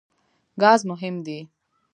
ګاز مهم دی.